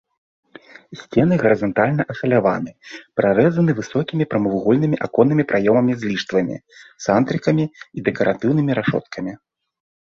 Сцены гарызантальна ашаляваны, прарэзаны высокімі прамавугольнымі аконнымі праёмамі з ліштвамі, сандрыкамі і дэкаратыўнымі рашоткамі.